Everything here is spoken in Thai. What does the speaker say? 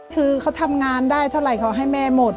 คือเขาทำงานได้เท่าไหร่เขาให้แม่หมด